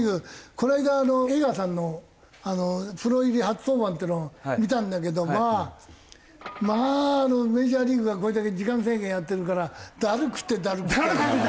この間江川さんのプロ入り初登板っていうのを見たんだけどまあまあメジャーリーグがこれだけ時間制限やってるからだるくてだるくて。